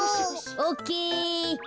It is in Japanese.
オッケー。